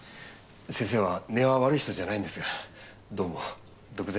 先生は根は悪い人じゃないんですがどうも独善的で。